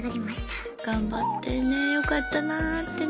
頑張ったよねよかったなってね。